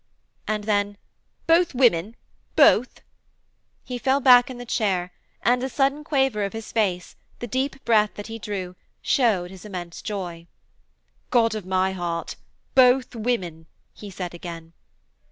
and then, 'Both women! both....' He fell back in the chair, and the sudden quaver of his face, the deep breath that he drew, showed his immense joy. 'God of my heart! Both women!' he said again.